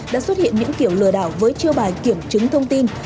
đã xuất hiện những kiểu lừa đảo với chiêu bài kiểm chứng thông tin